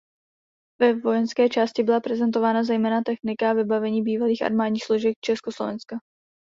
Ve vojenské části byla prezentována zejména technika a vybavení bývalých armádních složek Československa.